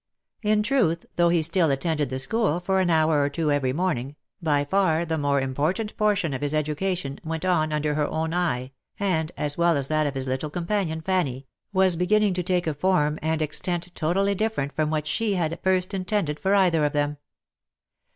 In truth, though he still attended the school for an hour or two every morning, by far the more important portion of his education went on under her own eye, and, as well as that of his little companion Fanny, was beginning to take a form and extent totally different from what she had at first intended for either of them.